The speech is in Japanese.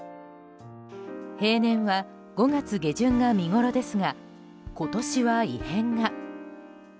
平年は５月下旬が見ごろですが今年は異変が。